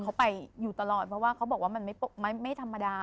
เขาไปอยู่ตลอดเพราะว่าเขาบอกว่ามันไม่ธรรมดา